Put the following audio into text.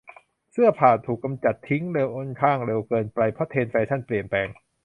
เสื้อผ่าถูกกำจัดทิ้งค่อนข้างเร็วเกินไปเพราะเทรนด์แฟชั่นเปลี่ยนแปลง